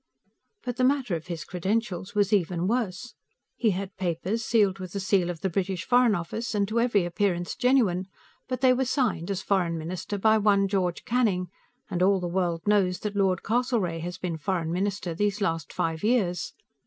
But the matter of his credentials was even worse. He had papers, sealed with the seal of the British Foreign Office, and to every appearance genuine but they were signed, as Foreign Minister, by one George Canning, and all the world knows that Lord Castlereagh has been Foreign Minister these last five years.